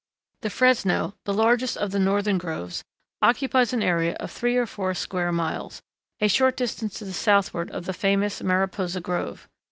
The Fresno, the largest of the northern groves, occupies an area of three or four square miles, a short distance to the southward of the famous Mariposa Grove.